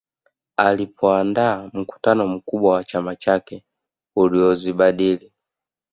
Alipoandaa mkutano mkubwa wa chama chake uliozibadili